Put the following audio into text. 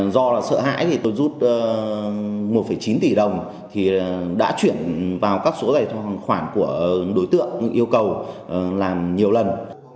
do là sợ hãi thì tôi rút một chín tỷ đồng thì đã chuyển vào các số tài khoản của đối tượng yêu cầu làm nhiều lần